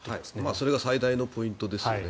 それが最大のポイントですよね。